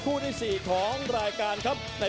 โปรดติดตามต่อไป